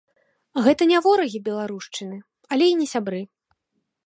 Гэта не ворагі беларушчыны, але і не сябры.